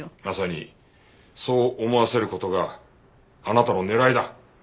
まさにそう思わせる事があなたの狙いだ。